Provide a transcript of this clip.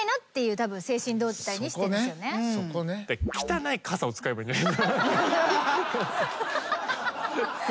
普段から汚い傘を使えばいい。